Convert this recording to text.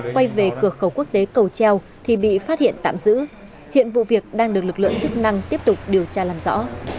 quay về cửa khẩu quốc tế cầu treo thì bị phát hiện tạm giữ hiện vụ việc đang được lực lượng chức năng tiếp tục điều tra làm rõ